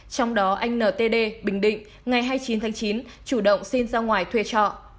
trong đó anh n t d bình định ngày hai mươi chín tháng chín chủ động xin ra ngoài thuê trọ